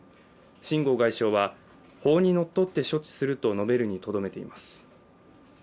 秦剛外相は法にのっとって処置すると述べるにとどまっています。